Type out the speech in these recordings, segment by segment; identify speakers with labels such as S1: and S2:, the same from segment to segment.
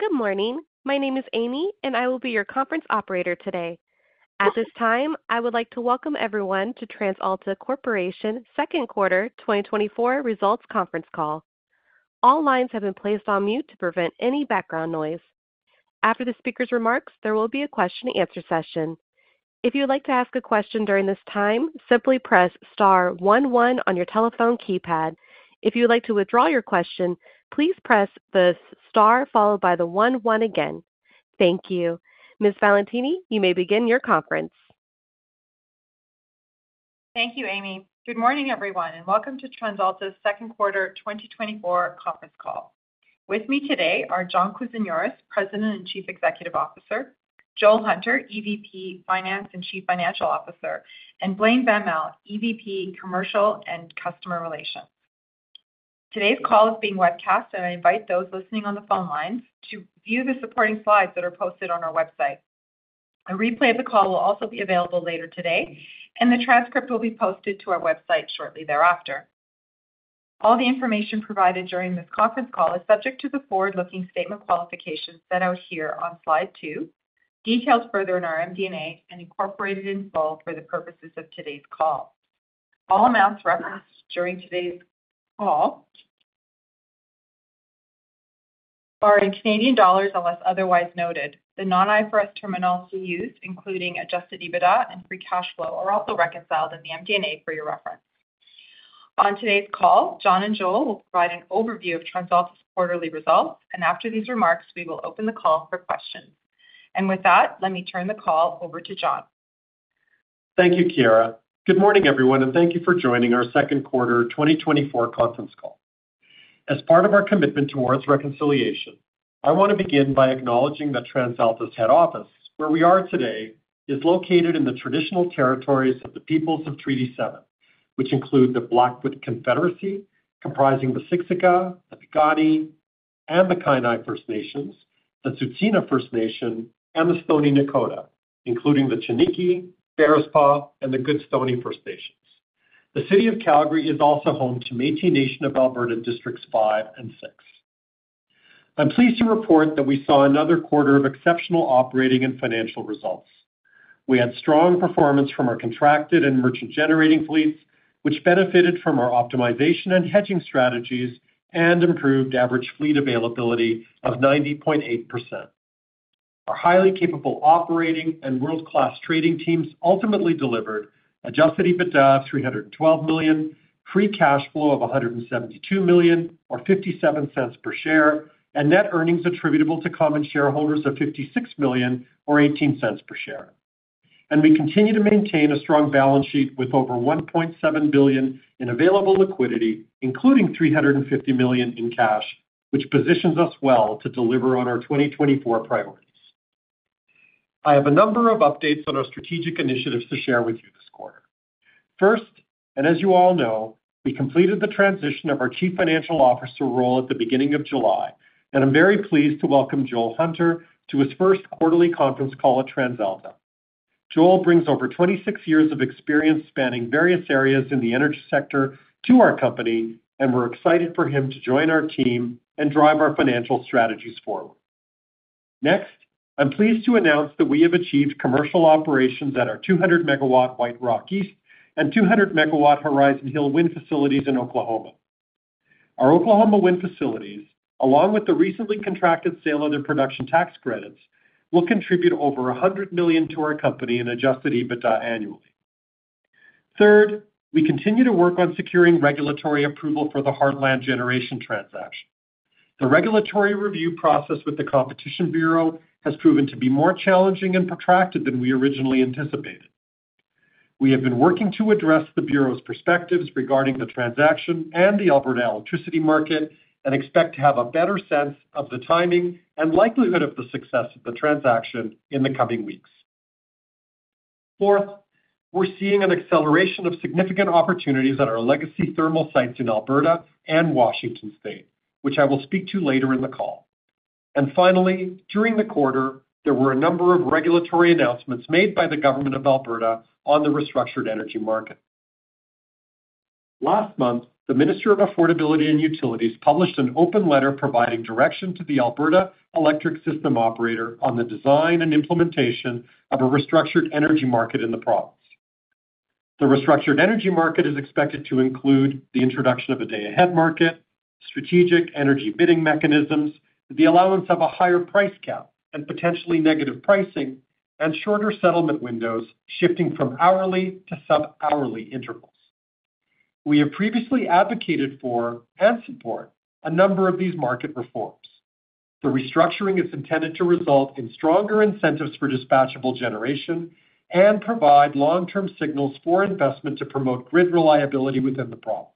S1: Good morning. My name is Amy, and I will be your conference operator today. At this time, I would like to welcome everyone to TransAlta Corporation's Second Quarter 2024 Results Conference Call. All lines have been placed on mute to prevent any background noise. After the speaker's remarks, there will be a question-and-answer session. If you would like to ask a question during this time, simply press star one one on your telephone keypad. If you would like to withdraw your question, please press the star followed by the one one again. Thank you. Ms. Valentini, you may begin your conference.
S2: Thank you, Amy. Good morning, everyone, and welcome to TransAlta's Second Quarter 2024 Conference Call. With me today are John Kousinioris, President and Chief Executive Officer; Joel Hunter, EVP Finance and Chief Financial Officer; and Blain van Melle, EVP Commercial and Customer Relations. Today's call is being webcast, and I invite those listening on the phone lines to view the supporting slides that are posted on our website. A replay of the call will also be available later today, and the transcript will be posted to our website shortly thereafter. All the information provided during this conference call is subject to the forward-looking statement qualifications set out here on slide two, detailed further in our MD&A and incorporated in full for the purposes of today's call. All amounts referenced during today's call are in Canadian dollars unless otherwise noted. The non-IFRS terms we use, including adjusted EBITDA and free cash flow, are also reconciled in the MD&A for your reference. On today's call, John and Joel will provide an overview of TransAlta's quarterly results, and after these remarks, we will open the call for questions. With that, let me turn the call over to John.
S3: Thank you, Chiara. Good morning, everyone, and thank you for joining our second quarter 2024 conference call. As part of our commitment toward reconciliation, I want to begin by acknowledging that TransAlta's head office, where we are today, is located in the traditional territories of the Peoples of Treaty 7, which include the Blackfoot Confederacy, comprising the Siksika, the Piikani, and the Kainai First Nations, the Tsuut'ina First Nation, and the Stoney Nakoda, including the Chiniki, Bearspaw, and the Goodstoney First Nations. The City of Calgary is also home to Métis Nation of Alberta Districts 5 and 6. I'm pleased to report that we saw another quarter of exceptional operating and financial results. We had strong performance from our contracted and merchant-generating fleets, which benefited from our optimization and hedging strategies and improved average fleet availability of 90.8%. Our highly capable operating and world-class trading teams ultimately delivered adjusted EBITDA of 312 million, free cash flow of 172 million or 0.57 per share, and net earnings attributable to common shareholders of 56 million or 0.18 per share. We continue to maintain a strong balance sheet with over 1.7 billion in available liquidity, including 350 million in cash, which positions us well to deliver on our 2024 priorities. I have a number of updates on our strategic initiatives to share with you this quarter. First, and as you all know, we completed the transition of our Chief Financial Officer role at the beginning of July, and I'm very pleased to welcome Joel Hunter to his first quarterly conference call at TransAlta. Joel brings over 26 years of experience spanning various areas in the energy sector to our company, and we're excited for him to join our team and drive our financial strategies forward. Next, I'm pleased to announce that we have achieved commercial operations at our 200-MW White Rock East and 200-MW Horizon Hill wind facilities in Oklahoma. Our Oklahoma wind facilities, along with the recently contracted sale of their production tax credits, will contribute over 100 million to our company in adjusted EBITDA annually. Third, we continue to work on securing regulatory approval for the Heartland Generation transaction. The regulatory review process with the Competition Bureau has proven to be more challenging and protracted than we originally anticipated. We have been working to address the Bureau's perspectives regarding the transaction and the Alberta electricity market and expect to have a better sense of the timing and likelihood of the success of the transaction in the coming weeks. Fourth, we're seeing an acceleration of significant opportunities at our legacy thermal sites in Alberta and Washington State, which I will speak to later in the call. Finally, during the quarter, there were a number of regulatory announcements made by the Government of Alberta on the restructured energy market. Last month, the Minister of Affordability and Utilities published an open letter providing direction to the Alberta Electric System Operator on the design and implementation of a restructured energy market in the province. The restructured energy market is expected to include the introduction of a day-ahead market, strategic energy bidding mechanisms, the allowance of a higher price cap and potentially negative pricing, and shorter settlement windows shifting from hourly to sub-hourly intervals. We have previously advocated for and support a number of these market reforms. The restructuring is intended to result in stronger incentives for dispatchable generation and provide long-term signals for investment to promote grid reliability within the province.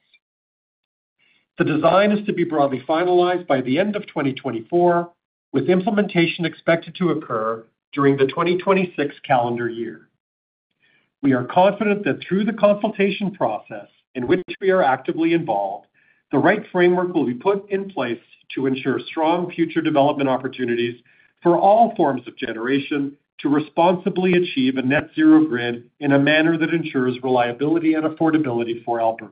S3: The design is to be broadly finalized by the end of 2024, with implementation expected to occur during the 2026 calendar year. We are confident that through the consultation process, in which we are actively involved, the right framework will be put in place to ensure strong future development opportunities for all forms of generation to responsibly achieve a net-zero grid in a manner that ensures reliability and affordability for Alberta.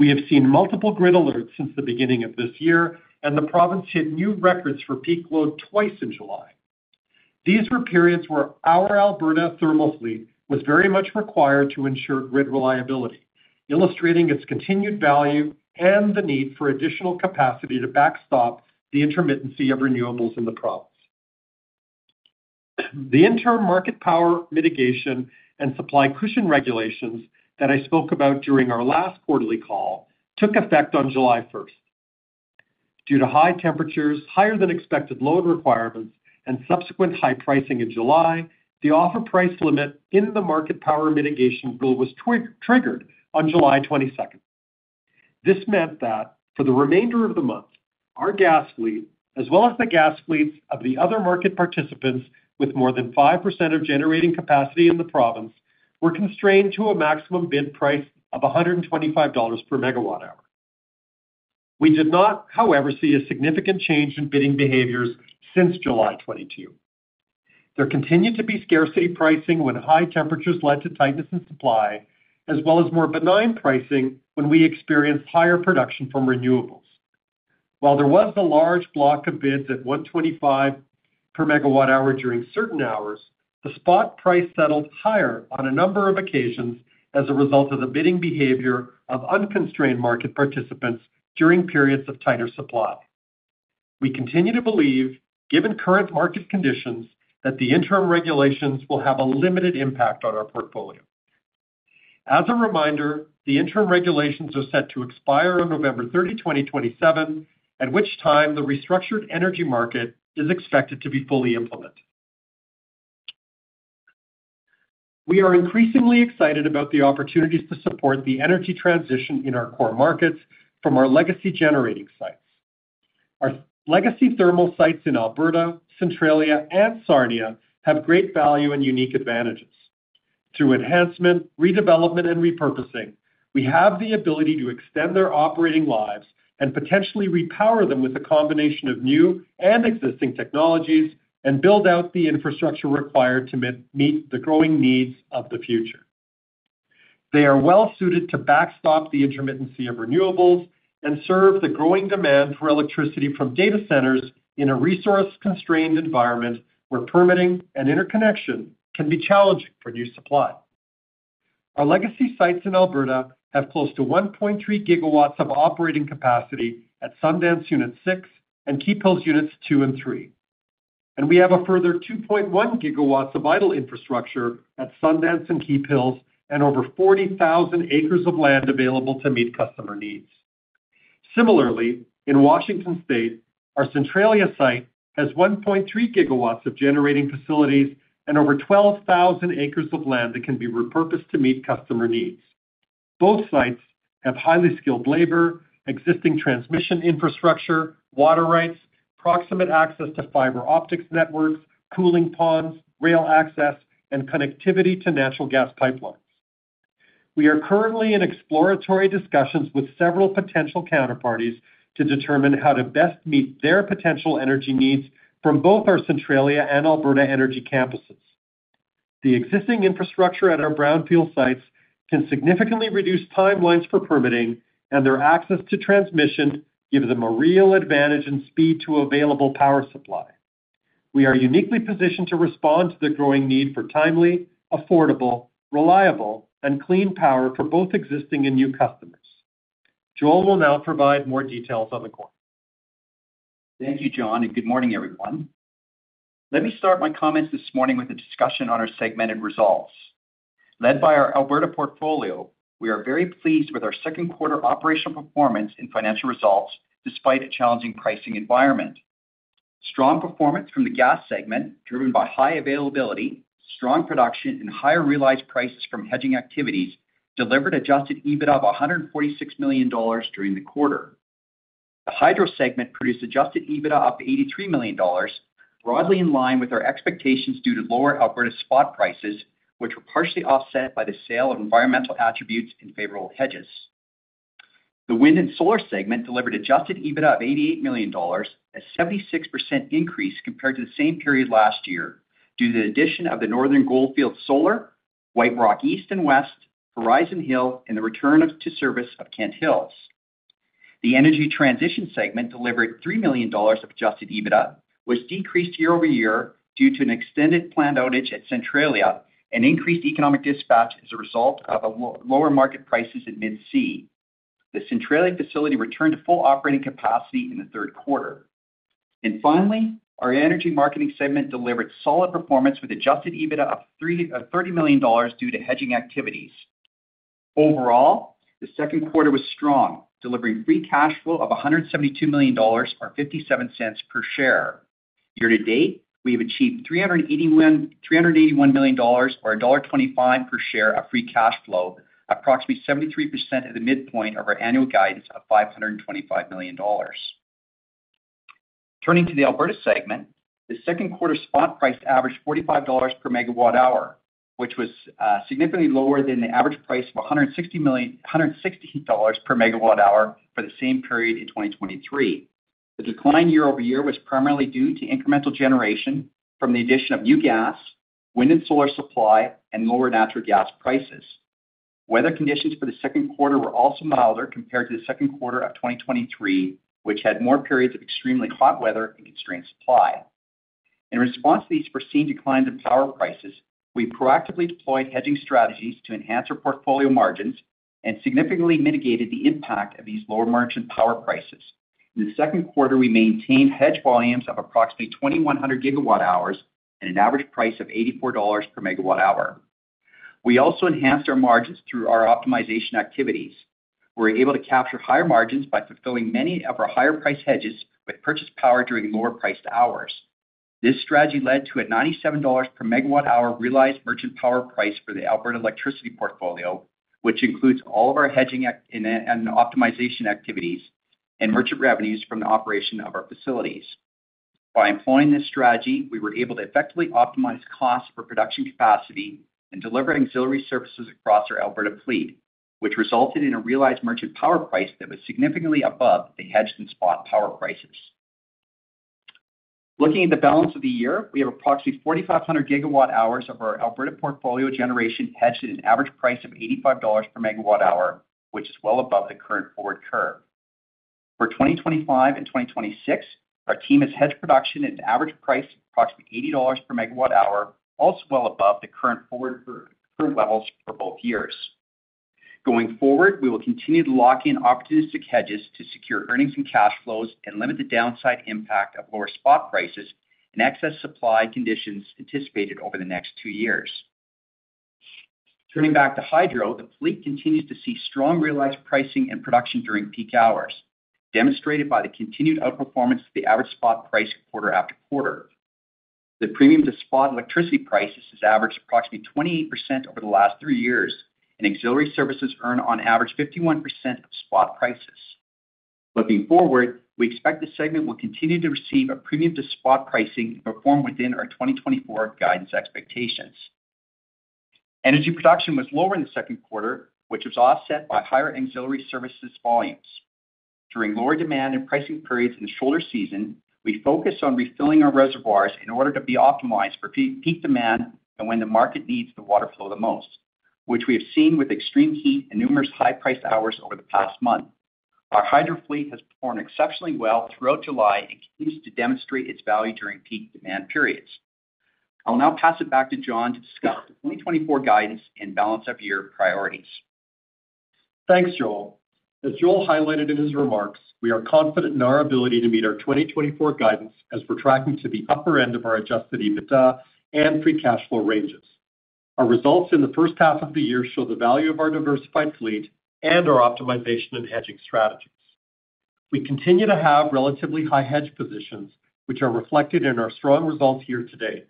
S3: We have seen multiple grid alerts since the beginning of this year, and the province hit new records for peak load twice in July. These were periods where our Alberta thermal fleet was very much required to ensure grid reliability, illustrating its continued value and the need for additional capacity to backstop the intermittency of renewables in the province. The interim market power mitigation and supply cushion regulations that I spoke about during our last quarterly call took effect on July 1st. Due to high temperatures, higher-than-expected load requirements, and subsequent high pricing in July, the offer price limit in the market power mitigation rule was triggered on July 22nd. This meant that, for the remainder of the month, our gas fleet, as well as the gas fleets of the other market participants with more than 5% of generating capacity in the province, were constrained to a maximum bid price of 125 dollars per MWh. We did not, however, see a significant change in bidding behaviors since July 22. There continued to be scarcity pricing when high temperatures led to tightness in supply, as well as more benign pricing when we experienced higher production from renewables. While there was a large block of bids at 125 per MWh during certain hours, the spot price settled higher on a number of occasions as a result of the bidding behavior of unconstrained market participants during periods of tighter supply. We continue to believe, given current market conditions, that the interim regulations will have a limited impact on our portfolio. As a reminder, the interim regulations are set to expire on November 30, 2027, at which time the restructured energy market is expected to be fully implemented. We are increasingly excited about the opportunities to support the energy transition in our core markets from our legacy generating sites. Our legacy thermal sites in Alberta, Centralia, and Sarnia have great value and unique advantages. Through enhancement, redevelopment, and repurposing, we have the ability to extend their operating lives and potentially repower them with a combination of new and existing technologies and build out the infrastructure required to meet the growing needs of the future. They are well-suited to backstop the intermittency of renewables and serve the growing demand for electricity from data centers in a resource-constrained environment where permitting and interconnection can be challenging for new supply. Our legacy sites in Alberta have close to 1.3 GW of operating capacity at Sundance Unit 6 and Keephills Units 2 and 3. We have a further 2.1 GW of vital infrastructure at Sundance and Keephills and over 40,000 acres of land available to meet customer needs. Similarly, in Washington State, our Centralia site has 1.3 GW of generating facilities and over 12,000 acres of land that can be repurposed to meet customer needs. Both sites have highly skilled labor, existing transmission infrastructure, water rights, proximate access to fiber optics networks, cooling ponds, rail access, and connectivity to natural gas pipelines. We are currently in exploratory discussions with several potential counterparties to determine how to best meet their potential energy needs from both our Centralia and Alberta energy campuses. The existing infrastructure at our brownfield sites can significantly reduce timelines for permitting, and their access to transmission gives them a real advantage in speed to available power supply. We are uniquely positioned to respond to the growing need for timely, affordable, reliable, and clean power for both existing and new customers. Joel will now provide more details on the quarter.
S4: Thank you, John, and good morning, everyone. Let me start my comments this morning with a discussion on our segmented results. Led by our Alberta portfolio, we are very pleased with our second quarter operational performance in financial results despite a challenging pricing environment. Strong performance from the gas segment, driven by high availability, strong production, and higher realized prices from hedging activities, delivered adjusted EBITDA of 146 million dollars during the quarter. The hydro segment produced adjusted EBITDA of 83 million dollars, broadly in line with our expectations due to lower Alberta spot prices, which were partially offset by the sale of environmental attributes in favorable hedges. The wind and solar segment delivered adjusted EBITDA of 88 million dollars, a 76% increase compared to the same period last year, due to the addition of the Northern Goldfields Solar, White Rock East and West, Horizon Hill, and the return to service of Kent Hills. The energy transition segment delivered 3 million dollars of adjusted EBITDA, which decreased year-over-year due to an extended planned outage at Centralia and increased economic dispatch as a result of lower market prices in Mid-C. The Centralia facility returned to full operating capacity in the third quarter. Finally, our energy marketing segment delivered solid performance with adjusted EBITDA of 30 million dollars due to hedging activities. Overall, the second quarter was strong, delivering free cash flow of 172 million dollars, or 0.57 per share. Year to date, we have achieved 381 million dollars, or dollar 1.25 per share of free cash flow, approximately 73% of the midpoint of our annual guidance of 525 million dollars. Turning to the Alberta segment, the second quarter spot price averaged 45 dollars per MWh, which was significantly lower than the average price of 160 per MWh for the same period in 2023. The decline year-over-year was primarily due to incremental generation from the addition of new gas, wind and solar supply, and lower natural gas prices. Weather conditions for the second quarter were also milder compared to the second quarter of 2023, which had more periods of extremely hot weather and constrained supply. In response to these foreseen declines in power prices, we proactively deployed hedging strategies to enhance our portfolio margins and significantly mitigated the impact of these lower margin power prices. In the second quarter, we maintained hedge volumes of approximately 2,100 GWh and an average price of 84 dollars per MWh. We also enhanced our margins through our optimization activities. We were able to capture higher margins by fulfilling many of our higher-priced hedges with purchase power during lower-priced hours. This strategy led to a 97 dollars per MWh realized merchant power price for the Alberta electricity portfolio, which includes all of our hedging and optimization activities and merchant revenues from the operation of our facilities. By employing this strategy, we were able to effectively optimize costs for production capacity and deliver auxiliary services across our Alberta fleet, which resulted in a realized merchant power price that was significantly above the hedged and spot power prices. Looking at the balance of the year, we have approximately 4,500 GWh of our Alberta portfolio generation hedged at an average price of 85 dollars per MWh, which is well above the current forward curve. For 2025 and 2026, our team has hedged production at an average price of approximately 80 dollars per MWh, also well above the current forward curve levels for both years. Going forward, we will continue to lock in opportunistic hedges to secure earnings and cash flows and limit the downside impact of lower spot prices and excess supply conditions anticipated over the next two years. Turning back to hydro, the fleet continues to see strong realized pricing and production during peak hours, demonstrated by the continued outperformance of the average spot price quarter after quarter. The premium to spot electricity prices has averaged approximately 28% over the last three years, and auxiliary services earn on average 51% of spot prices. Looking forward, we expect the segment will continue to receive a premium to spot pricing and perform within our 2024 guidance expectations. Energy production was lower in the second quarter, which was offset by higher auxiliary services volumes. During lower demand and pricing periods in the shoulder season, we focused on refilling our reservoirs in order to be optimized for peak demand and when the market needs the water flow the most, which we have seen with extreme heat and numerous high-priced hours over the past month. Our hydro fleet has performed exceptionally well throughout July and continues to demonstrate its value during peak demand periods. I'll now pass it back to John to discuss the 2024 guidance and balance of year priorities.
S3: Thanks, Joel. As Joel highlighted in his remarks, we are confident in our ability to meet our 2024 guidance as we're tracking to the upper end of our adjusted EBITDA and free cash flow ranges. Our results in the first half of the year show the value of our diversified fleet and our optimization and hedging strategies. We continue to have relatively high hedge positions, which are reflected in our strong results here today.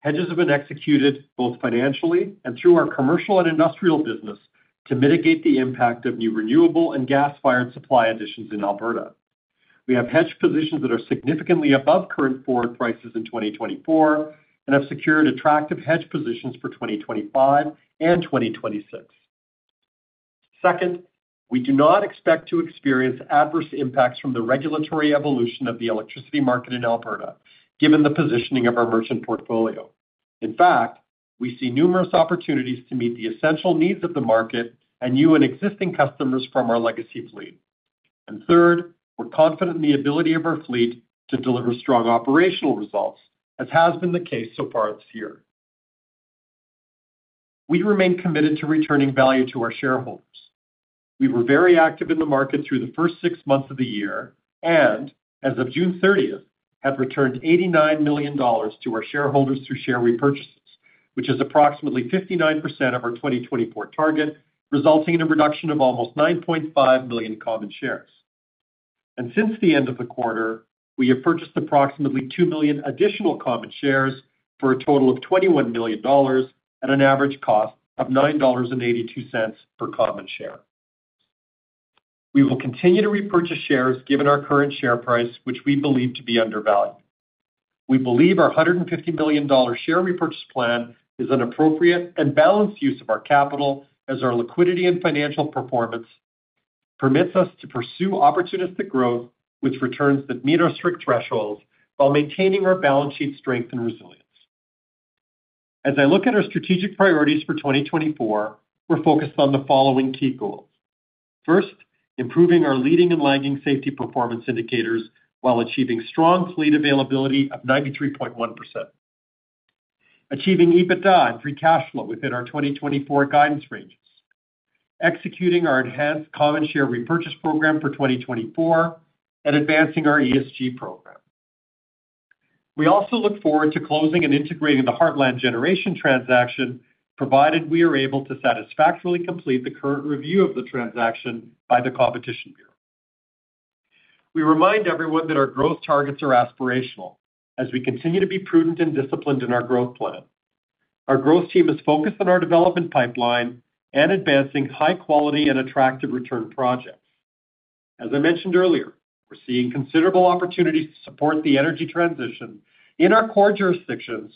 S3: Hedges have been executed both financially and through our commercial and industrial business to mitigate the impact of new renewable and gas-fired supply additions in Alberta. We have hedged positions that are significantly above current forward prices in 2024 and have secured attractive hedge positions for 2025 and 2026. Second, we do not expect to experience adverse impacts from the regulatory evolution of the electricity market in Alberta, given the positioning of our merchant portfolio. In fact, we see numerous opportunities to meet the essential needs of the market and new and existing customers from our legacy fleet. And third, we're confident in the ability of our fleet to deliver strong operational results, as has been the case so far this year. We remain committed to returning value to our shareholders. We were very active in the market through the first six months of the year and, as of June 30th, had returned 89 million dollars to our shareholders through share repurchases, which is approximately 59% of our 2024 target, resulting in a reduction of almost 9.5 million common shares. And since the end of the quarter, we have purchased approximately 2 million additional common shares for a total of 21 million dollars at an average cost of 9.82 dollars per common share. We will continue to repurchase shares given our current share price, which we believe to be undervalued. We believe our 150 million dollar share repurchase plan is an appropriate and balanced use of our capital as our liquidity and financial performance permits us to pursue opportunistic growth with returns that meet our strict thresholds while maintaining our balance sheet strength and resilience. As I look at our strategic priorities for 2024, we're focused on the following key goals. First, improving our leading and lagging safety performance indicators while achieving strong fleet availability of 93.1%. Achieving EBITDA and free cash flow within our 2024 guidance ranges. Executing our enhanced common share repurchase program for 2024 and advancing our ESG program. We also look forward to closing and integrating the Heartland Generation transaction, provided we are able to satisfactorily complete the current review of the transaction by the Competition Bureau. We remind everyone that our growth targets are aspirational as we continue to be prudent and disciplined in our growth plan. Our growth team is focused on our development pipeline and advancing high-quality and attractive return projects. As I mentioned earlier, we're seeing considerable opportunities to support the energy transition in our core jurisdictions,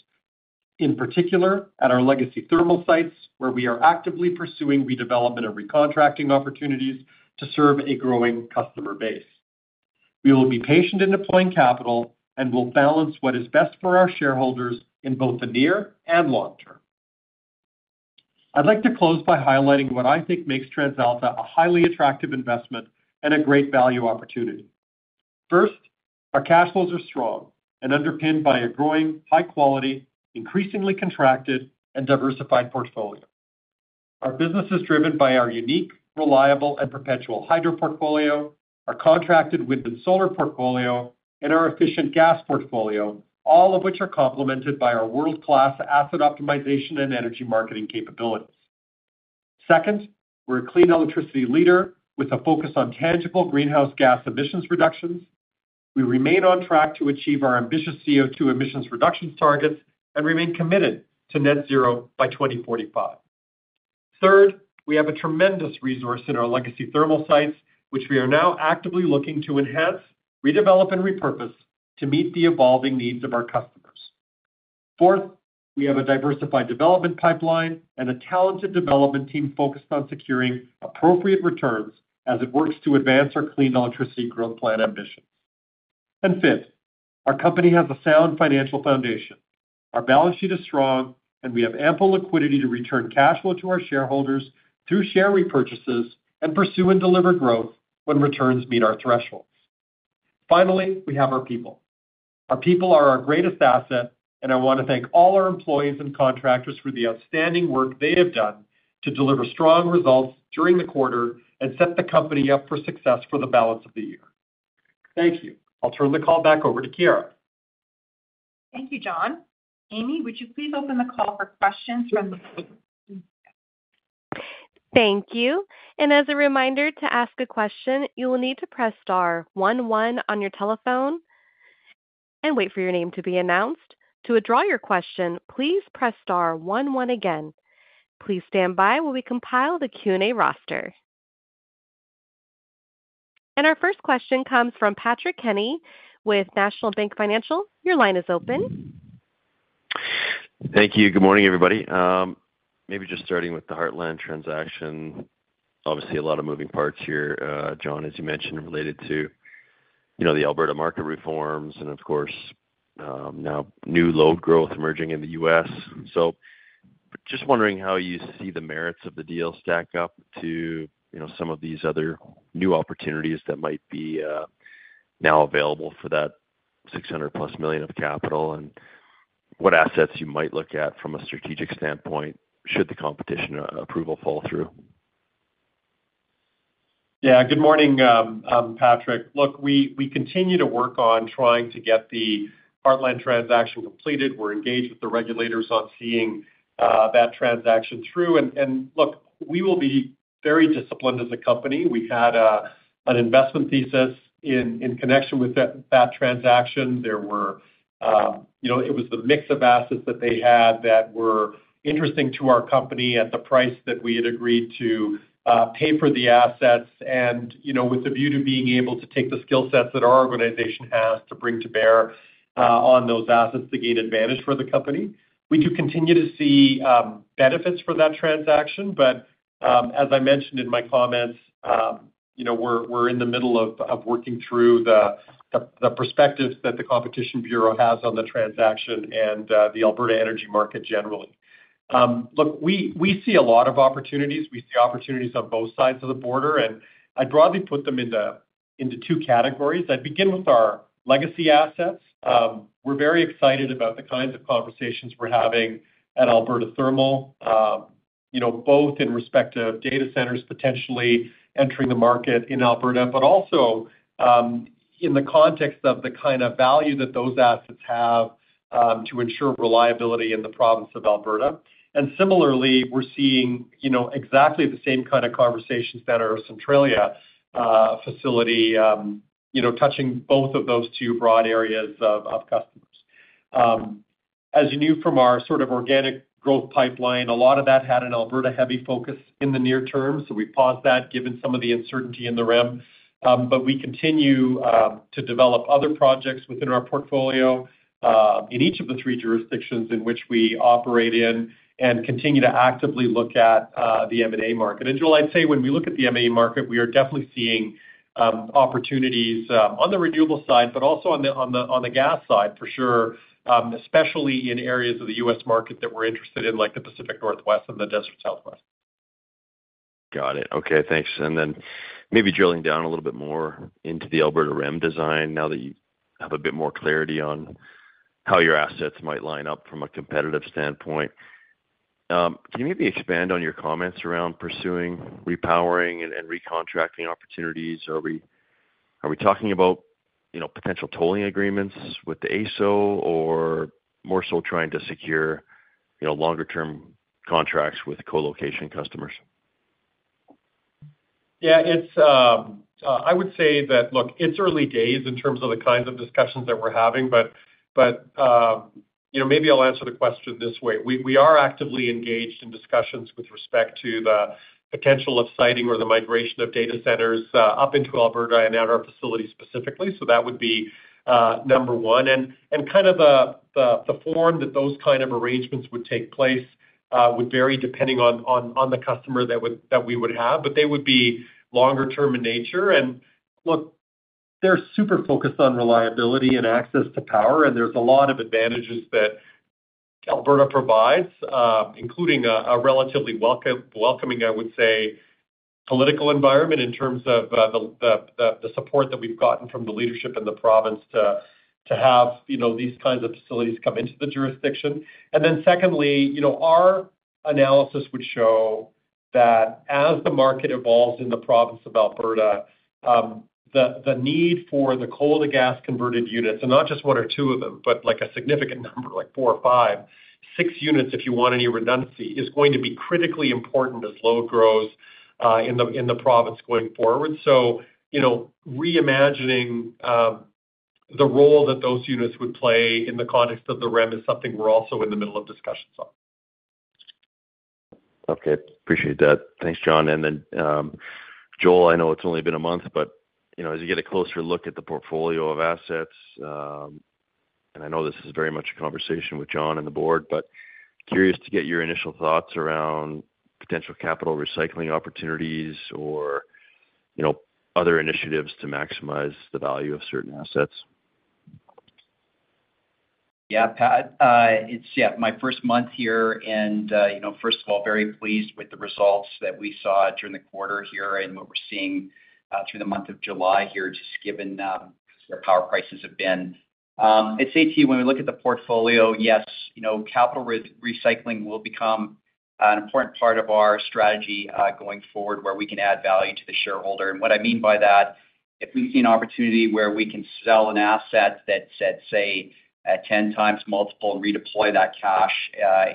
S3: in particular at our legacy thermal sites, where we are actively pursuing redevelopment and recontracting opportunities to serve a growing customer base. We will be patient in deploying capital and will balance what is best for our shareholders in both the near and long term. I'd like to close by highlighting what I think makes TransAlta a highly attractive investment and a great value opportunity. First, our cash flows are strong and underpinned by a growing, high-quality, increasingly contracted, and diversified portfolio. Our business is driven by our unique, reliable, and perpetual hydro portfolio, our contracted wind and solar portfolio, and our efficient gas portfolio, all of which are complemented by our world-class asset optimization and energy marketing capabilities. Second, we're a clean electricity leader with a focus on tangible greenhouse gas emissions reductions. We remain on track to achieve our ambitious CO2 emissions reduction targets and remain committed to net-zero by 2045. Third, we have a tremendous resource in our legacy thermal sites, which we are now actively looking to enhance, redevelop, and repurpose to meet the evolving needs of our customers. Fourth, we have a diversified development pipeline and a talented development team focused on securing appropriate returns as it works to advance our clean electricity growth plan ambitions. And fifth, our company has a sound financial foundation. Our balance sheet is strong, and we have ample liquidity to return cash flow to our shareholders through share repurchases and pursue and deliver growth when returns meet our thresholds. Finally, we have our people. Our people are our greatest asset, and I want to thank all our employees and contractors for the outstanding work they have done to deliver strong results during the quarter and set the company up for success for the balance of the year. Thank you. I'll turn the call back over to Chiara.
S2: Thank you, John. Amy, would you please open the call for questions from the floor?
S1: Thank you. As a reminder, to ask a question, you will need to press star one one on your telephone and wait for your name to be announced. To withdraw your question, please press star one one again. Please stand by while we compile the Q&A roster. Our first question comes from Patrick Kenny with National Bank Financial. Your line is open.
S5: Thank you. Good morning, everybody. Maybe just starting with the Heartland transaction. Obviously, a lot of moving parts here, John, as you mentioned, related to the Alberta market reforms and, of course, now new load growth emerging in the U.S. So just wondering how you see the merits of the deal stack up to some of these other new opportunities that might be now available for that 600+ million of capital and what assets you might look at from a strategic standpoint should the competition approval fall through.
S3: Yeah. Good morning, Patrick. Look, we continue to work on trying to get the Heartland transaction completed. We're engaged with the regulators on seeing that transaction through. And look, we will be very disciplined as a company. We had an investment thesis in connection with that transaction. It was the mix of assets that they had that were interesting to our company at the price that we had agreed to pay for the assets and with the view to being able to take the skill sets that our organization has to bring to bear on those assets to gain advantage for the company. We do continue to see benefits for that transaction. But as I mentioned in my comments, we're in the middle of working through the perspectives that the Competition Bureau has on the transaction and the Alberta energy market generally. Look, we see a lot of opportunities. We see opportunities on both sides of the border. And I'd broadly put them into two categories. I'd begin with our legacy assets. We're very excited about the kinds of conversations we're having at Alberta thermal, both in respect of data centers potentially entering the market in Alberta, but also in the context of the kind of value that those assets have to ensure reliability in the province of Alberta. And similarly, we're seeing exactly the same kind of conversations that our Centralia facility touching both of those two broad areas of customers. As you knew from our sort of organic growth pipeline, a lot of that had an Alberta-heavy focus in the near term. So we paused that given some of the uncertainty in the REM. But we continue to develop other projects within our portfolio in each of the three jurisdictions in which we operate in and continue to actively look at the M&A market. And Joel, I'd say when we look at the M&A market, we are definitely seeing opportunities on the renewable side, but also on the gas side, for sure, especially in areas of the U.S. market that we're interested in, like the Pacific Northwest and the Desert Southwest.
S5: Got it. Okay. Thanks. Then maybe drilling down a little bit more into the Alberta REM design now that you have a bit more clarity on how your assets might line up from a competitive standpoint. Can you maybe expand on your comments around pursuing repowering and recontracting opportunities? Are we talking about potential tolling agreements with the AESO or more so trying to secure longer-term contracts with colocation customers?
S3: Yeah. I would say that, look, it's early days in terms of the kinds of discussions that we're having. But maybe I'll answer the question this way. We are actively engaged in discussions with respect to the potential of siting or the migration of data centers up into Alberta and at our facility specifically. So that would be number one. And kind of the form that those kind of arrangements would take place would vary depending on the customer that we would have, but they would be longer-term in nature. And look, they're super focused on reliability and access to power. And there's a lot of advantages that Alberta provides, including a relatively welcoming, I would say, political environment in terms of the support that we've gotten from the leadership in the province to have these kinds of facilities come into the jurisdiction. And then secondly, our analysis would show that as the market evolves in the province of Alberta, the need for the coal-to-gas converted units, and not just one or two of them, but a significant number, like four or five, six units, if you want any redundancy, is going to be critically important as load grows in the province going forward. So reimagining the role that those units would play in the context of the REM is something we're also in the middle of discussions on.
S5: Okay. Appreciate that. Thanks, John. And then, Joel, I know it's only been a month, but as you get a closer look at the portfolio of assets, and I know this is very much a conversation with John and the board, but curious to get your initial thoughts around potential capital recycling opportunities or other initiatives to maximize the value of certain assets.
S4: Yeah, Pat. It's yeah, my first month here. First of all, very pleased with the results that we saw during the quarter here and what we're seeing through the month of July here, just given how power prices have been. I'd say to you, when we look at the portfolio, yes, capital recycling will become an important part of our strategy going forward where we can add value to the shareholder. What I mean by that, if we see an opportunity where we can sell an asset that's, say, a 10 times multiple and redeploy that cash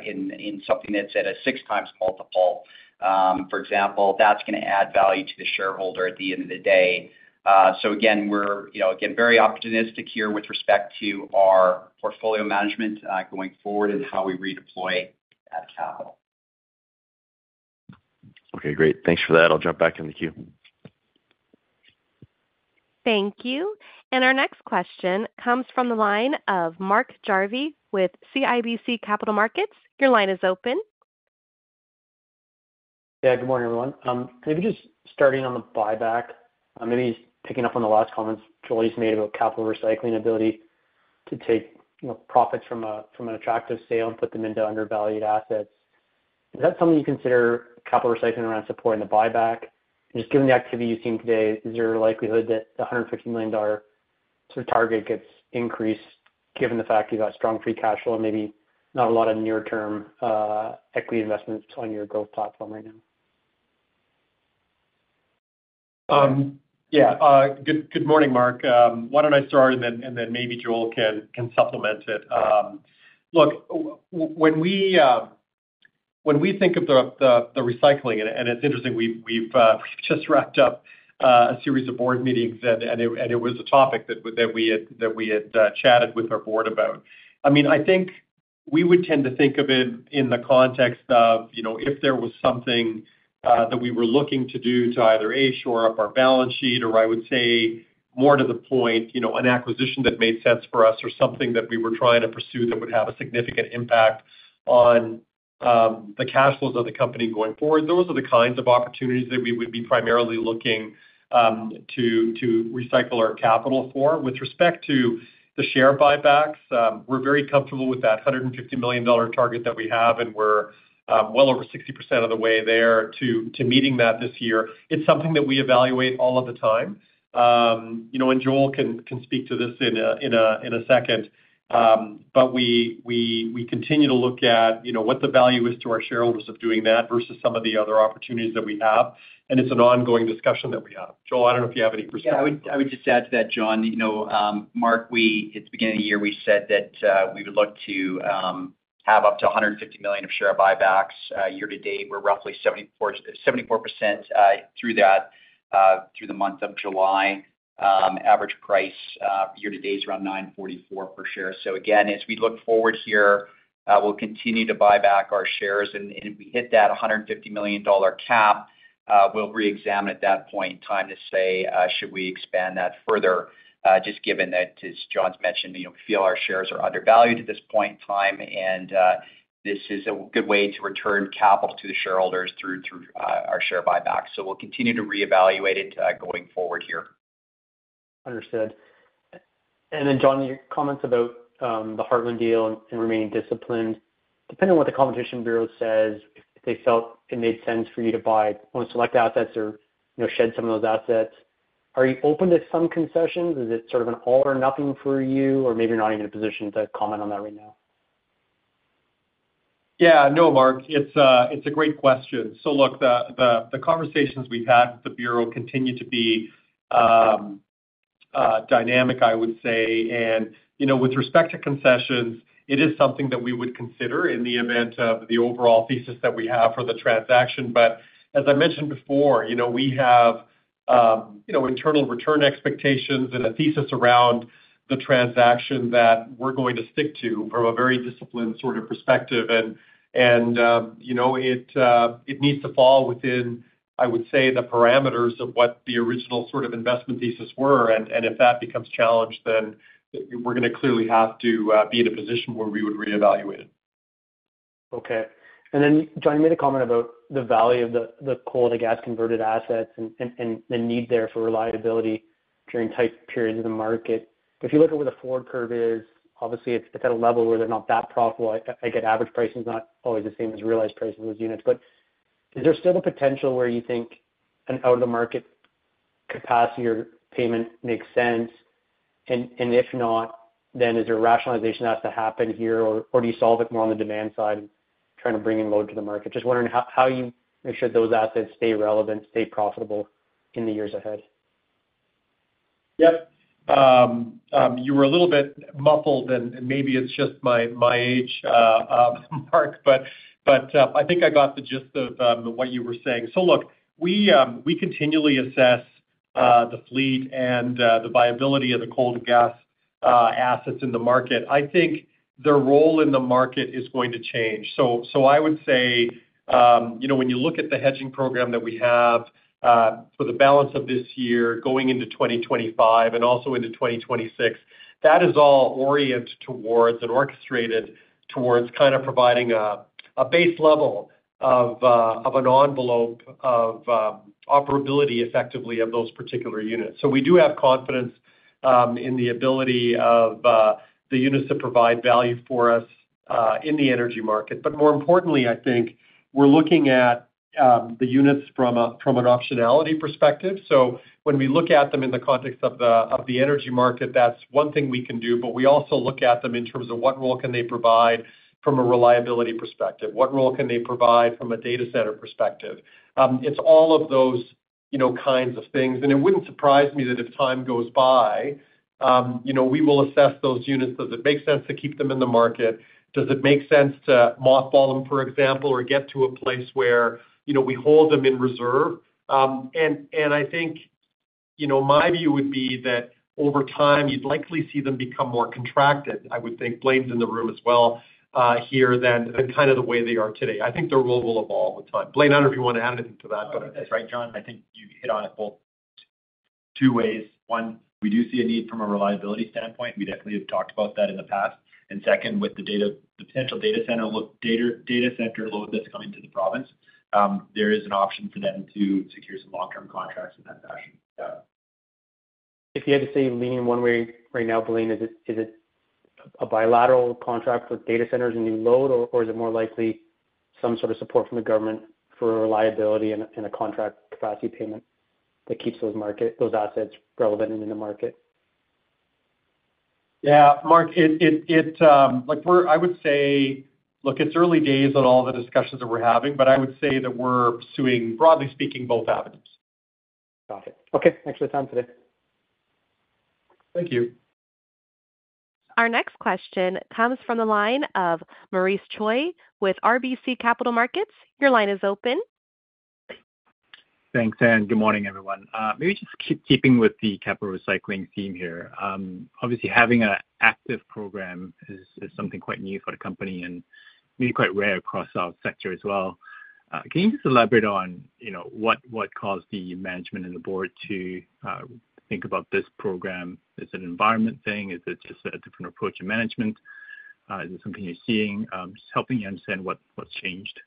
S4: in something that's at a 6 times multiple, for example, that's going to add value to the shareholder at the end of the day. Again, we're very opportunistic here with respect to our portfolio management going forward and how we redeploy that capital.
S5: Okay. Great. Thanks for that. I'll jump back in the queue.
S1: Thank you. Our next question comes from the line of Mark Jarvi with CIBC Capital Markets. Your line is open.
S6: Yeah. Good morning, everyone. Maybe just starting on the buyback, maybe picking up on the last comments Joel just made about capital recycling, ability to take profits from an attractive sale and put them into undervalued assets. Is that something you consider capital recycling around supporting the buyback? And just given the activity you've seen today, is there a likelihood that the 150 million dollar sort of target gets increased given the fact you've got strong free cash flow and maybe not a lot of near-term equity investments on your growth platform right now?
S3: Yeah. Good morning, Mark. Why don't I start, and then maybe Joel can supplement it. Look, when we think of the recycling, and it's interesting, we've just wrapped up a series of board meetings, and it was a topic that we had chatted with our board about. I mean, I think we would tend to think of it in the context of if there was something that we were looking to do to either A, shore up our balance sheet, or I would say more to the point, an acquisition that made sense for us or something that we were trying to pursue that would have a significant impact on the cash flows of the company going forward. Those are the kinds of opportunities that we would be primarily looking to recycle our capital for. With respect to the share buybacks, we're very comfortable with that 150 million dollar target that we have, and we're well over 60% of the way there to meeting that this year. It's something that we evaluate all of the time. Joel can speak to this in a second. We continue to look at what the value is to our shareholders of doing that versus some of the other opportunities that we have. It's an ongoing discussion that we have. Joel, I don't know if you have any perspective.
S4: Yeah. I would just add to that, John. Mark, at the beginning of the year, we said that we would look to have up to 150 million of share buybacks. Year to date, we're roughly 74% through the month of July. Average price year to date is around 9.44 per share. So again, as we look forward here, we'll continue to buy back our shares. And if we hit that 150 million dollar cap, we'll re-examine at that point in time to say, "Should we expand that further?" Just given that, as John's mentioned, we feel our shares are undervalued at this point in time, and this is a good way to return capital to the shareholders through our share buybacks. So we'll continue to re-evaluate it going forward here.
S6: Understood. And then, John, your comments about the Heartland deal and remaining disciplined. Depending on what the Competition Bureau says, if they felt it made sense for you to buy one of the select assets or shed some of those assets, are you open to some concessions? Is it sort of an all or nothing for you, or maybe you're not even in a position to comment on that right now?
S3: Yeah. No, Mark. It's a great question. So look, the conversations we've had with the bureau continue to be dynamic, I would say. And with respect to concessions, it is something that we would consider in the event of the overall thesis that we have for the transaction. But as I mentioned before, we have internal return expectations and a thesis around the transaction that we're going to stick to from a very disciplined sort of perspective. And it needs to fall within, I would say, the parameters of what the original sort of investment thesis were. And if that becomes challenged, then we're going to clearly have to be in a position where we would re-evaluate it.
S6: Okay. And then, John, you made a comment about the value of the coal-to-gas converted assets and the need there for reliability during tight periods of the market. If you look at where the forward curve is, obviously, it's at a level where they're not that profitable. I get average pricing is not always the same as realized prices of those units. But is there still the potential where you think an out-of-the-market capacity or payment makes sense? And if not, then is there a rationalization that has to happen here, or do you solve it more on the demand side and try to bring in load to the market? Just wondering how you make sure those assets stay relevant, stay profitable in the years ahead.
S3: Yep. You were a little bit muffled, and maybe it's just my age, Mark, but I think I got the gist of what you were saying. So look, we continually assess the fleet and the viability of the coal-to-gas assets in the market. I think their role in the market is going to change. So I would say when you look at the hedging program that we have for the balance of this year, going into 2025 and also into 2026, that is all oriented towards and orchestrated towards kind of providing a base level of an envelope of operability, effectively, of those particular units. So we do have confidence in the ability of the units to provide value for us in the energy market. But more importantly, I think we're looking at the units from an optionality perspective. So when we look at them in the context of the energy market, that's one thing we can do. But we also look at them in terms of what role can they provide from a reliability perspective? What role can they provide from a data center perspective? It's all of those kinds of things. And it wouldn't surprise me that if time goes by, we will assess those units. Does it make sense to keep them in the market? Does it make sense to mothball them, for example, or get to a place where we hold them in reserve? And I think my view would be that over time, you'd likely see them become more contracted. I would think Blain's in the room as well here than kind of the way they are today. I think their role will evolve with time. Blain, I don't know if you want to add anything to that, but.
S7: That's right, John. I think you hit on it both two ways. One, we do see a need from a reliability standpoint. We definitely have talked about that in the past. And second, with the potential data center load that's coming to the province, there is an option for them to secure some long-term contracts in that fashion. Yeah.
S6: If you had to say leaning one way right now, Blain, is it a bilateral contract with data centers and new load, or is it more likely some sort of support from the government for reliability and a contract capacity payment that keeps those assets relevant and in the market?
S7: Yeah. Mark, I would say, look, it's early days on all the discussions that we're having, but I would say that we're pursuing, broadly speaking, both avenues.
S6: Got it. Okay. Thanks for your time today.
S3: Thank you.
S1: Our next question comes from the line of Maurice Choy with RBC Capital Markets. Your line is open.
S8: Thanks, and good morning, everyone. Maybe just keeping with the capital recycling theme here, obviously, having an active program is something quite new for the company and maybe quite rare across our sector as well. Can you just elaborate on what caused the management and the board to think about this program? Is it an environment thing? Is it just a different approach to management? Is it something you're seeing? Just helping you understand what's changed.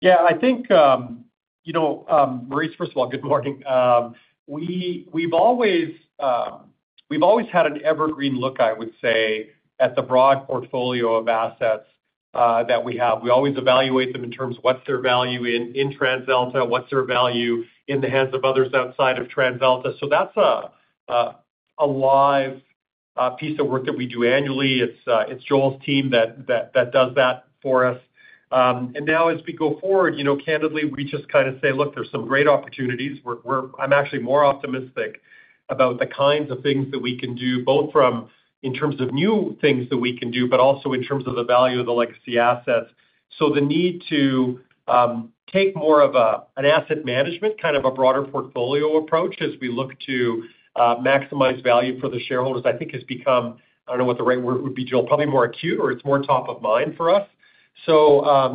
S3: Yeah. I think, Maurice, first of all, good morning. We've always had an evergreen look, I would say, at the broad portfolio of assets that we have. We always evaluate them in terms of what's their value in TransAlta, what's their value in the hands of others outside of TransAlta. So that's a live piece of work that we do annually. It's Joel's team that does that for us. And now, as we go forward, candidly, we just kind of say, "Look, there's some great opportunities." I'm actually more optimistic about the kinds of things that we can do, both in terms of new things that we can do, but also in terms of the value of the legacy assets. So the need to take more of an asset management, kind of a broader portfolio approach as we look to maximize value for the shareholders, I think has become, I don't know what the right word would be, Joel, probably more acute, or it's more top of mind for us. So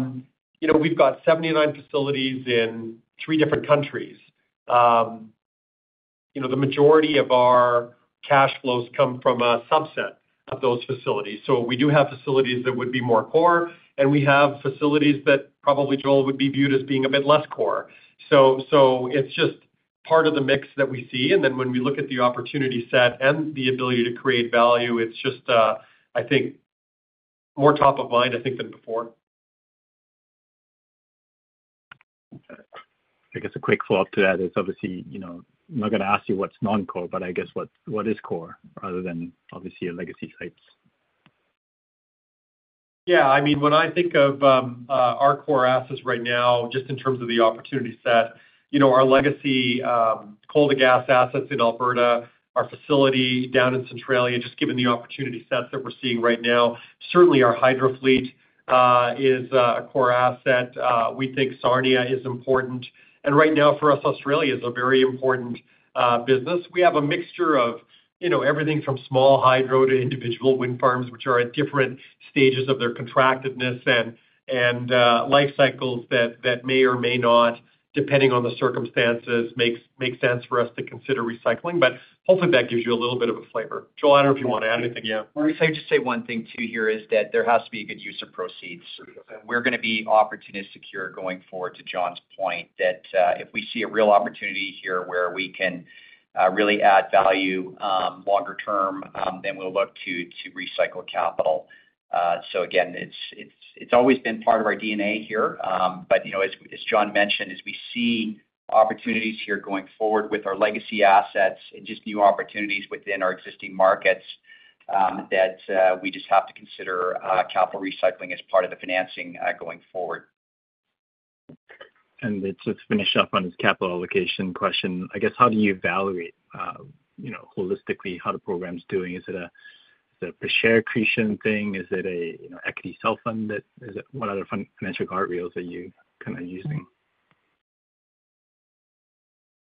S3: we've got 79 facilities in three different countries. The majority of our cash flows come from a subset of those facilities. So we do have facilities that would be more core, and we have facilities that probably, Joel, would be viewed as being a bit less core. So it's just part of the mix that we see. And then when we look at the opportunity set and the ability to create value, it's just, I think, more top of mind, I think, than before.
S8: I guess a quick follow-up to that is, obviously, I'm not going to ask you what's non-core, but I guess what is core rather than, obviously, your legacy sites?
S3: Yeah. I mean, when I think of our core assets right now, just in terms of the opportunity set, our legacy coal-to-gas assets in Alberta, our facility down in Centralia, just given the opportunity sets that we're seeing right now. Certainly, our hydro fleet is a core asset. We think Sarnia is important. And right now, for us, Australia is a very important business. We have a mixture of everything from small hydro to individual wind farms, which are at different stages of their contractedness and life cycles that may or may not, depending on the circumstances, make sense for us to consider recycling. But hopefully, that gives you a little bit of a flavor. Joel, I don't know if you want to add anything. Yeah.
S4: Maurice, I would just say one thing too here is that there has to be a good use of proceeds. We're going to be opportunistic here going forward, to John's point, that if we see a real opportunity here where we can really add value longer term, then we'll look to recycle capital. So again, it's always been part of our D&A here. But as John mentioned, as we see opportunities here going forward with our legacy assets and just new opportunities within our existing markets, that we just have to consider capital recycling as part of the financing going forward.
S8: To finish up on this capital allocation question, I guess, how do you evaluate holistically how the program's doing? Is it a per-share accretion thing? Is it an equity self-funded? What other financial guardrails are you kind of using?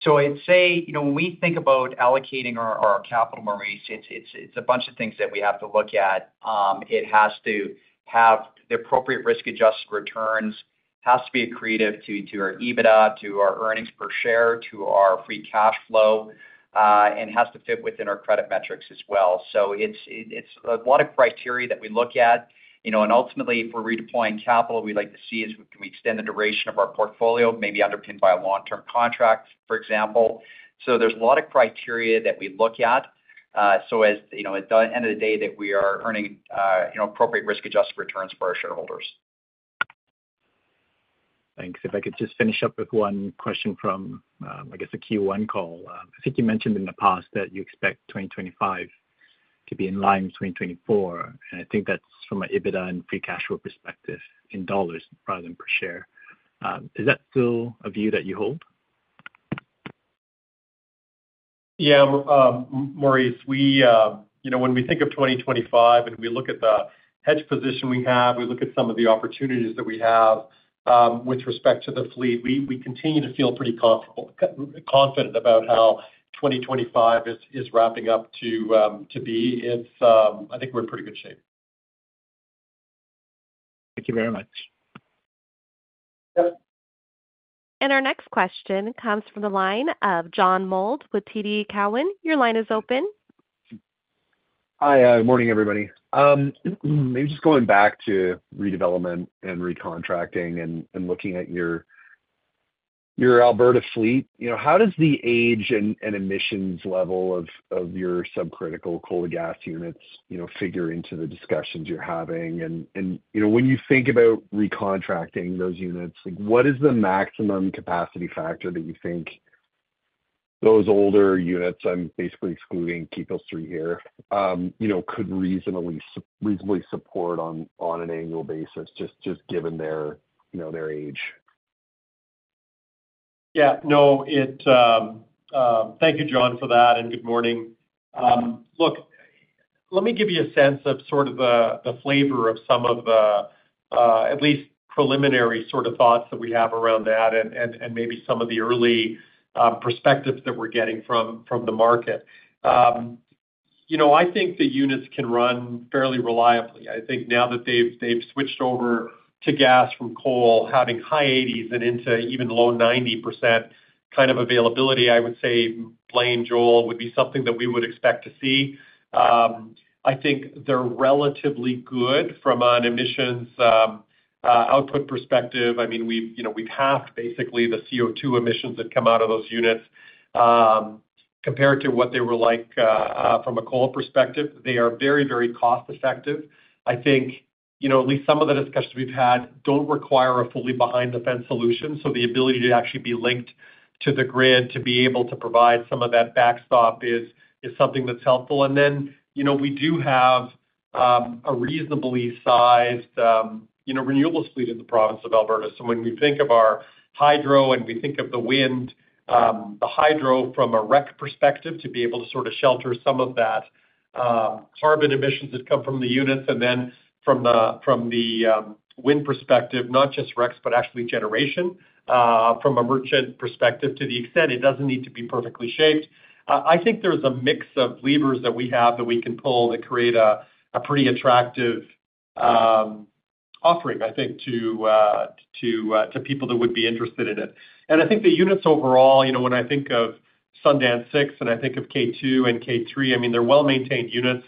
S4: So I'd say when we think about allocating our capital, Maurice, it's a bunch of things that we have to look at. It has to have the appropriate risk-adjusted returns, has to be accretive to our EBITDA, to our earnings per share, to our free cash flow, and has to fit within our credit metrics as well. So it's a lot of criteria that we look at. And ultimately, if we're redeploying capital, we'd like to see is can we extend the duration of our portfolio, maybe underpinned by a long-term contract, for example. So there's a lot of criteria that we look at. So at the end of the day, that we are earning appropriate risk-adjusted returns for our shareholders.
S8: Thanks. If I could just finish up with one question from, I guess, a Q1 call. I think you mentioned in the past that you expect 2025 to be in line with 2024. And I think that's from an EBITDA and free cash flow perspective in dollars rather than per share. Is that still a view that you hold?
S3: Yeah. Maurice, when we think of 2025 and we look at the hedge position we have, we look at some of the opportunities that we have with respect to the fleet, we continue to feel pretty confident about how 2025 is wrapping up to be. I think we're in pretty good shape.
S8: Thank you very much.
S3: Yep.
S1: Our next question comes from the line of John Mould with TD Cowen. Your line is open.
S9: Hi. Good morning, everybody. Maybe just going back to redevelopment and recontracting and looking at your Alberta fleet, how does the age and emissions level of your subcritical coal-to-gas units figure into the discussions you're having? And when you think about recontracting those units, what is the maximum capacity factor that you think those older units, I'm basically excluding Keephills 3 here, could reasonably support on an annual basis, just given their age?
S3: Yeah. No. Thank you, John, for that. Good morning. Look, let me give you a sense of sort of the flavor of some of the at least preliminary sort of thoughts that we have around that and maybe some of the early perspectives that we're getting from the market. I think the units can run fairly reliably. I think now that they've switched over to gas from coal, having high 80s and into even low 90% kind of availability, I would say Blain, Joel, would be something that we would expect to see. I think they're relatively good from an emissions output perspective. I mean, we've halved basically the CO2 emissions that come out of those units compared to what they were like from a coal perspective. They are very, very cost-effective. I think at least some of the discussions we've had don't require a fully behind-the-fence solution. So the ability to actually be linked to the grid to be able to provide some of that backstop is something that's helpful. And then we do have a reasonably sized renewables fleet in the province of Alberta. So when we think of our hydro and we think of the wind, the hydro from a REC perspective to be able to sort of shelter some of that carbon emissions that come from the units. And then from the wind perspective, not just RECs, but actually generation from a merchant perspective to the extent it doesn't need to be perfectly shaped. I think there's a mix of levers that we have that we can pull that create a pretty attractive offering, I think, to people that would be interested in it. And I think the units overall, when I think of Sundance 6 and I think of K2 and K3, I mean, they're well-maintained units.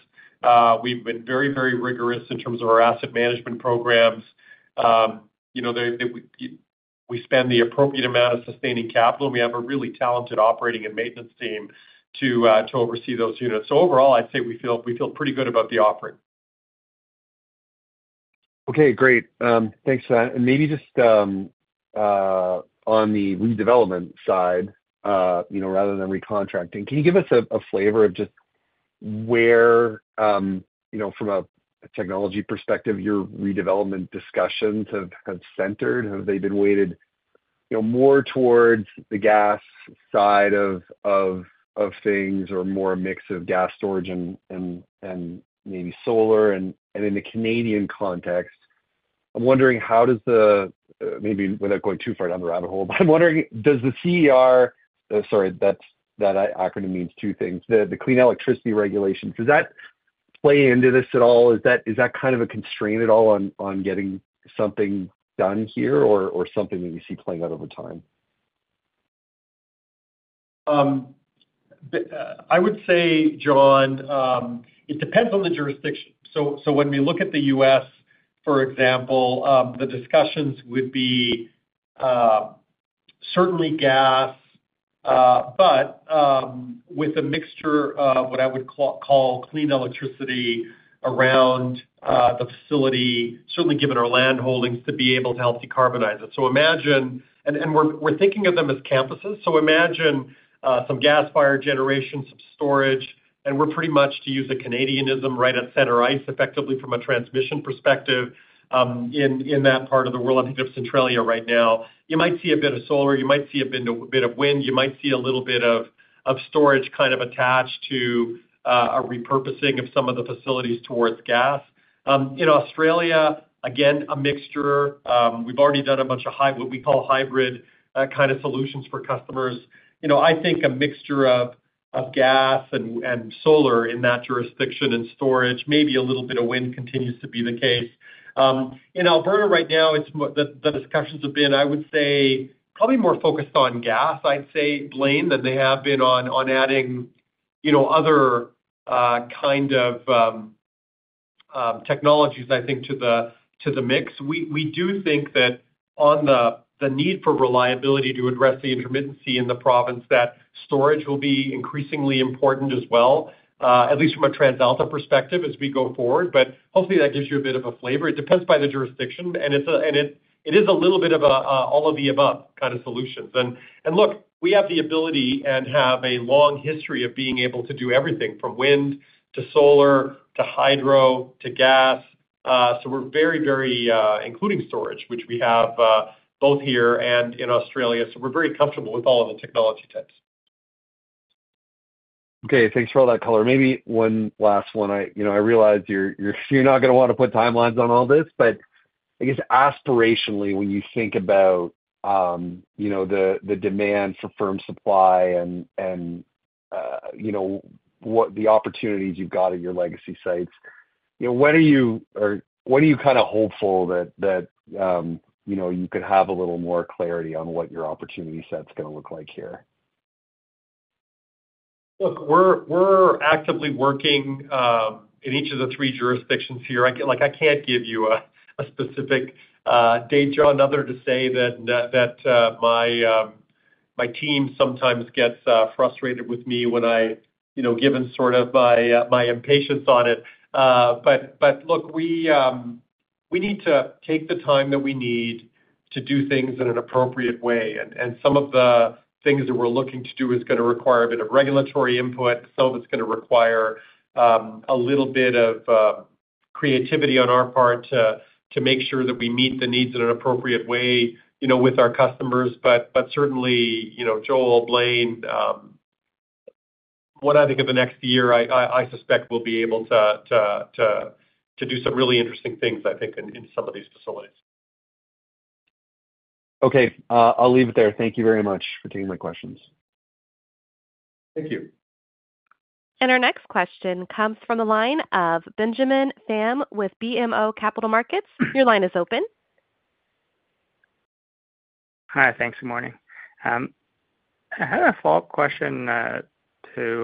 S3: We've been very, very rigorous in terms of our asset management programs. We spend the appropriate amount of sustaining capital, and we have a really talented operating and maintenance team to oversee those units. So overall, I'd say we feel pretty good about the offering.
S9: Okay. Great. Thanks for that. And maybe just on the redevelopment side, rather than recontracting, can you give us a flavor of just where, from a technology perspective, your redevelopment discussions have centered? Have they been weighted more towards the gas side of things or more a mix of gas storage and maybe solar? And in the Canadian context, I'm wondering how does the, maybe without going too far down the rabbit hole, but I'm wondering, does the CER, sorry, that acronym means two things, the Clean Electricity Regulations, does that play into this at all? Is that kind of a constraint at all on getting something done here or something that you see playing out over time?
S3: I would say, John, it depends on the jurisdiction. So when we look at the U.S., for example, the discussions would be certainly gas, but with a mixture of what I would call clean electricity around the facility, certainly given our land holdings, to be able to help decarbonize it. And we're thinking of them as campuses. So imagine some gas-fired generation, some storage, and we're pretty much, to use a Canadianism, right at center ice, effectively from a transmission perspective in that part of the world. I think of Centralia right now. You might see a bit of solar. You might see a bit of wind. You might see a little bit of storage kind of attached to a repurposing of some of the facilities towards gas. In Australia, again, a mixture. We've already done a bunch of what we call hybrid kind of solutions for customers. I think a mixture of gas and solar in that jurisdiction and storage, maybe a little bit of wind continues to be the case. In Alberta right now, the discussions have been, I would say, probably more focused on gas, I'd say, Blain, than they have been on adding other kind of technologies, I think, to the mix. We do think that on the need for reliability to address the intermittency in the province, that storage will be increasingly important as well, at least from a TransAlta perspective as we go forward. But hopefully, that gives you a bit of a flavor. It depends by the jurisdiction. And it is a little bit of all of the above kind of solutions. And look, we have the ability and have a long history of being able to do everything from wind to solar to hydro to gas. So we're very, very including storage, which we have both here and in Australia. So we're very comfortable with all of the technology types.
S9: Okay. Thanks for all that, color. Maybe one last one. I realize you're not going to want to put timelines on all this, but I guess aspirationally, when you think about the demand for firm supply and the opportunities you've got at your legacy sites, when are you or when are you kind of hopeful that you could have a little more clarity on what your opportunity set's going to look like here?
S3: Look, we're actively working in each of the three jurisdictions here. I can't give you a specific date, John, other than to say that my team sometimes gets frustrated with me when I give them sort of my impatience on it. But look, we need to take the time that we need to do things in an appropriate way. And some of the things that we're looking to do is going to require a bit of regulatory input. Some of it's going to require a little bit of creativity on our part to make sure that we meet the needs in an appropriate way with our customers. But certainly, Joel, Blain. What I think of the next year, I suspect we'll be able to do some really interesting things, I think, in some of these facilities.
S9: Okay. I'll leave it there. Thank you very much for taking my questions.
S3: Thank you.
S1: Our next question comes from the line of Benjamin Pham with BMO Capital Markets. Your line is open.
S10: Hi. Thanks. Good morning. I had a follow-up question to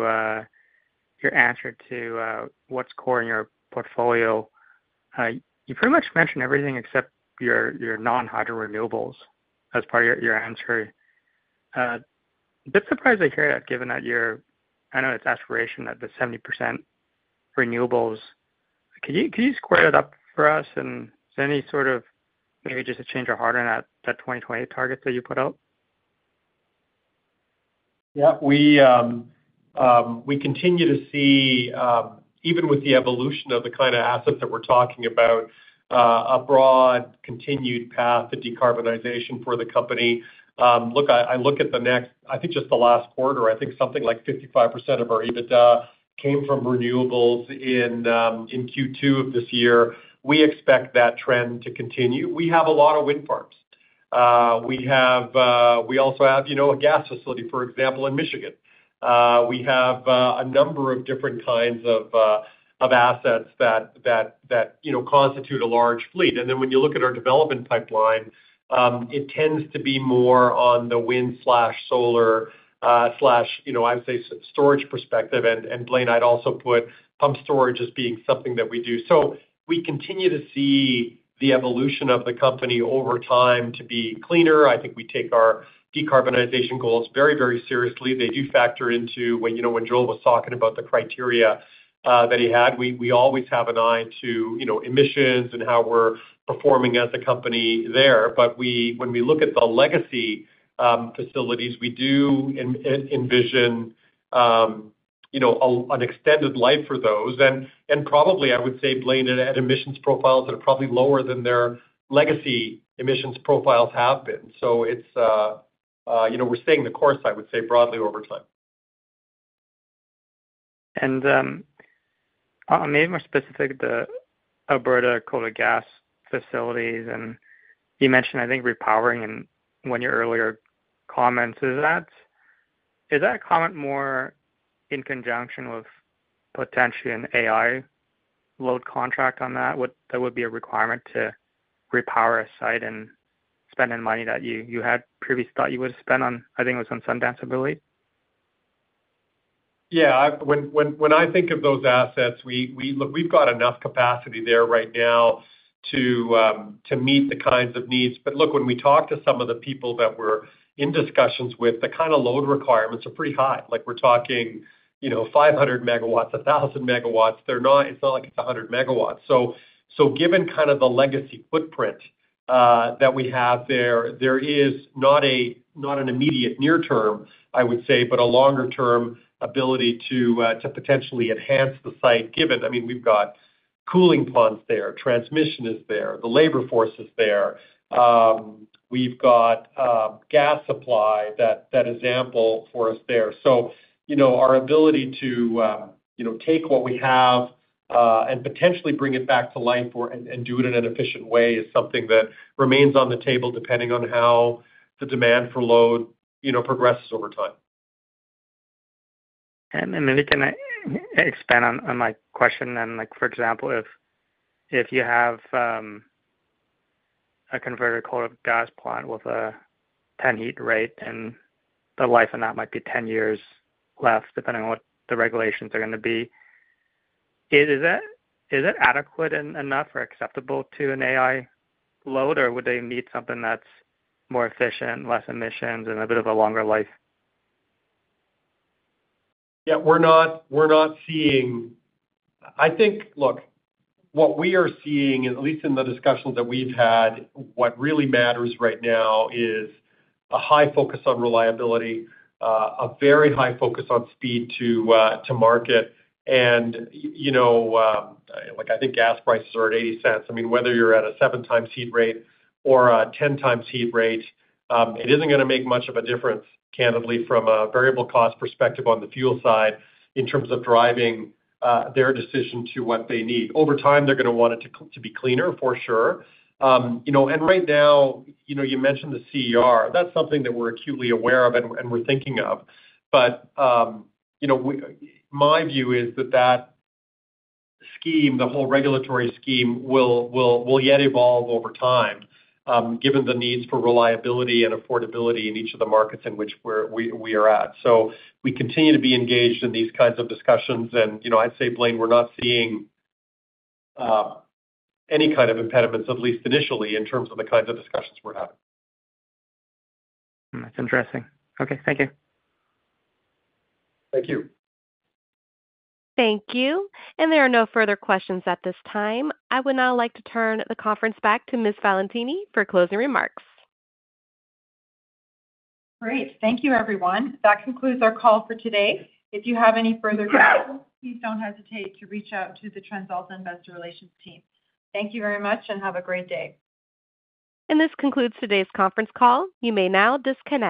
S10: your answer to what's core in your portfolio. You pretty much mentioned everything except your non-hydro renewables as part of your answer. A bit surprised to hear that, given that your—I know it's aspiration that the 70% renewables. Could you square that up for us? And is there any sort of maybe just a change of heart on that 2028 target that you put out?
S3: Yeah. We continue to see, even with the evolution of the kind of assets that we're talking about, a broad continued path to decarbonization for the company. Look, I look at the next, I think just the last quarter, I think something like 55% of our EBITDA came from renewables in Q2 of this year. We expect that trend to continue. We have a lot of wind farms. We also have a gas facility, for example, in Michigan. We have a number of different kinds of assets that constitute a large fleet. And then when you look at our development pipeline, it tends to be more on the wind/solar/I would say storage perspective. And Blain, I'd also put pumped storage as being something that we do. So we continue to see the evolution of the company over time to be cleaner. I think we take our decarbonization goals very, very seriously. They do factor into when Joel was talking about the criteria that he had. We always have an eye to emissions and how we're performing as a company there. But when we look at the legacy facilities, we do envision an extended life for those. And probably, I would say, Blain, at emissions profiles that are probably lower than their legacy emissions profiles have been. So we're staying the course, I would say, broadly over time.
S10: Maybe more specific, the Alberta coal-to-gas facilities. You mentioned, I think, repowering in one of your earlier comments. Is that comment more in conjunction with potentially an AI load contract on that? That would be a requirement to repower a site and spend the money that you had previously thought you would spend on, I think it was on Sundance 3?
S3: Yeah. When I think of those assets, we've got enough capacity there right now to meet the kinds of needs. But look, when we talk to some of the people that we're in discussions with, the kind of load requirements are pretty high. We're talking 500 MW, 1,000 MW. It's not like it's 100 MW. So given kind of the legacy footprint that we have there, there is not an immediate near term, I would say, but a longer-term ability to potentially enhance the site, given I mean, we've got cooling plants there. Transmission is there. The labor force is there. We've got gas supply that is ample for us there. So our ability to take what we have and potentially bring it back to life and do it in an efficient way is something that remains on the table depending on how the demand for load progresses over time.
S10: Maybe can I expand on my question? For example, if you have a converted coal-to-gas plant with a 10 heat rate and the life on that might be 10 years left, depending on what the regulations are going to be, is it adequate enough or acceptable to an AI load, or would they need something that's more efficient, less emissions, and a bit of a longer life?
S3: Yeah. We're not seeing, I think, look, what we are seeing, at least in the discussions that we've had, what really matters right now is a high focus on reliability, a very high focus on speed to market. And I think gas prices are at 0.80. I mean, whether you're at a 7 times heat rate or a 10 times heat rate, it isn't going to make much of a difference, candidly, from a variable cost perspective on the fuel side in terms of driving their decision to what they need. Over time, they're going to want it to be cleaner, for sure. And right now, you mentioned the CER. That's something that we're acutely aware of and we're thinking of. But my view is that that scheme, the whole regulatory scheme, will yet evolve over time, given the needs for reliability and affordability in each of the markets in which we are at. So we continue to be engaged in these kinds of discussions. And I'd say, Blain, we're not seeing any kind of impediments, at least initially, in terms of the kinds of discussions we're having.
S10: That's interesting. Okay. Thank you.
S3: Thank you.
S1: Thank you. There are no further questions at this time. I would now like to turn the conference back to Ms. Valentini for closing remarks.
S2: Great. Thank you, everyone. That concludes our call for today. If you have any further questions, please don't hesitate to reach out to the TransAlta Investor Relations team. Thank you very much, and have a great day.
S1: This concludes today's conference call. You may now disconnect.